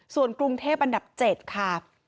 ส่วนกรุงเทพอันดับ๗ค่ะ